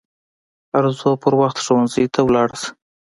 ارزو پر وخت ښوونځي ته ولاړه سه